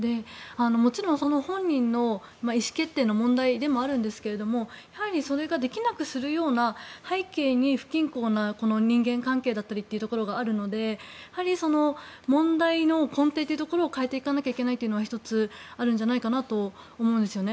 もちろん本人の意思決定の問題でもあるんですがそれができなくするような背景に不健康な人間関係だったりというところがあるのでやはり問題の根底というところを変えていかなきゃいけないというのは１つあるんじゃないかと思うんですよね。